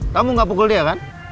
kamu gak pukul dia kan